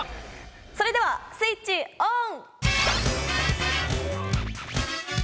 それではスイッチオン！